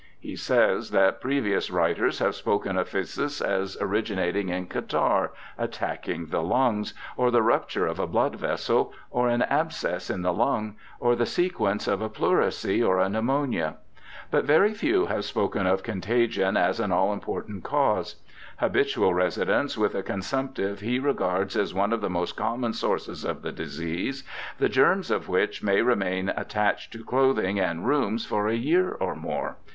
He says that previous writers have spoken of phthisis as originating in catarrh attacking the lungs, or the rupture of a blood vessel, or an 286 BIOGRAPHICAL ESSAYS abscess in the lung, or the sequence of a pleurisy or a pneumonia ; but very few have spoken of contagion as an all important cause. Habitual residence with a consumptive he regards as one of the most common sources of the disease, the germs of which may remain attached to clothing and rooms for a year or more.